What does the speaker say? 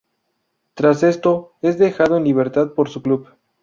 Tras esto es dejado en libertad por su club.